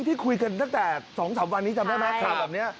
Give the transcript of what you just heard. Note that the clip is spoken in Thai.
ที่คุยกันตั้งแต่๒๓วันนี้จำได้ไหมข่าวแบบนี้